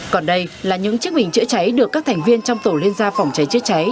còn đây là những chiếc bình chữa cháy được các thành viên trong tổ liên gia phòng cháy chữa cháy